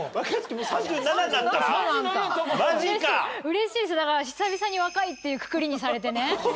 嬉しいですよだから久々に若いっていうくくりにされてね。